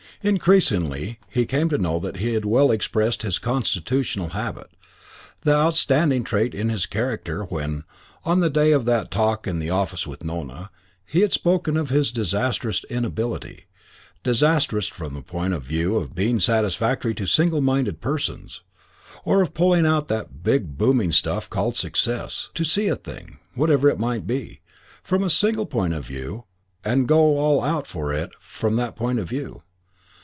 Increasingly he came to know that he had well expressed his constitutional habit, the outstanding trait in his character, when, on the day of that talk in the office with Nona, he had spoken of his disastrous inability disastrous from the point of view of being satisfactory to single minded persons, or of pulling out that big booming stuff called success to see a thing, whatever it might be, from a single point of view and go all out for it from that point of view.